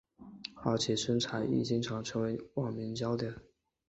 而其身材亦经常成为网民焦点。